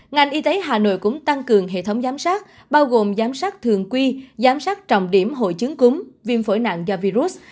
ngành y tế hà nội cũng tăng cường hệ thống giám sát bao gồm giám sát thường quy giám sát trọng điểm hội chứng cúm viêm phổi nặng do virus